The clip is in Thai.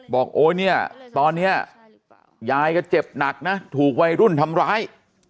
โอ๊ยเนี่ยตอนนี้ยายก็เจ็บหนักนะถูกวัยรุ่นทำร้าย